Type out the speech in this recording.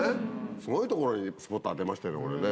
すごいところにスポット当てましたよね、これね。